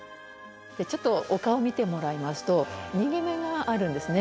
ちょっとお顔を見てもらいますと右目があるんですね。